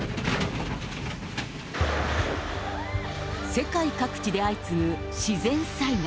世界各地で相次ぐ自然災害。